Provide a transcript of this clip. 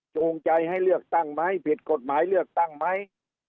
จูงใจให้เลือกตั้งไหมผิดกฎหมายเลือกตั้งไหม